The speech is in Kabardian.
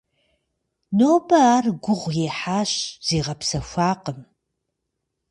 Нобэ ар гугъу ехьащ, зигъэпсэхуакъым.